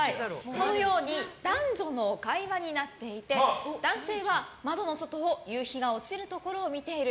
男女の会話になっていて男性は窓の外を夕日が落ちるところを見ている。